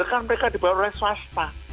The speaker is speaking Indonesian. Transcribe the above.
biarkan mereka dibayar oleh swasta